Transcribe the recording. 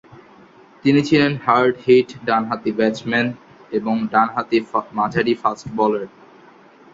তিনি ছিলেন হার্ড-হিট ডানহাতি ব্যাটসম্যান এবং ডানহাতি মাঝারি ফাস্ট বোলার।